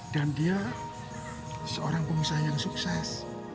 dan dia seorang pengusaha yang sukses